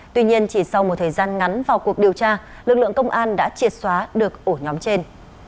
tuy nhiên chỉ sau một thời gian ngắn vào cuộc điều tra lực lượng công an đã triệt xóa được ổ nhóm trên